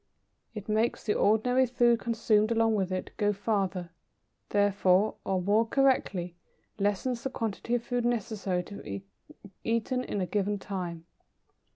It makes the ordinary food consumed along with it, go farther, therefore, or, more correctly, lessens the quantity of food necessary to be eaten in a given time.